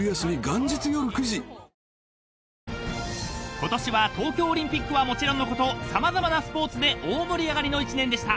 ［今年は東京オリンピックはもちろんのこと様々なスポーツで大盛り上がりの１年でした］